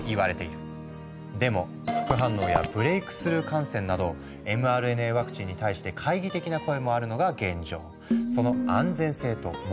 でも副反応やブレイクスルー感染などｍＲＮＡワクチンに対して懐疑的な声もあるのが現状。